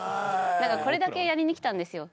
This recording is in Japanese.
これだけやりに来たんですよ。